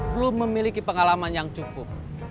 belum memiliki pengalaman yang cukup